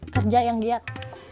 kerja yang giat